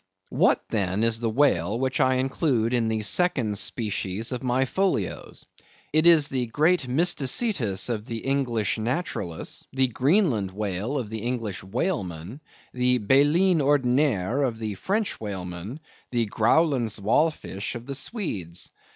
What then is the whale, which I include in the second species of my Folios? It is the Great Mysticetus of the English naturalists; the Greenland Whale of the English whalemen; the Baleine Ordinaire of the French whalemen; the Growlands Walfish of the Swedes.